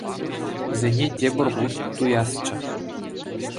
Вӗсене тепӗр хут туясчӗ.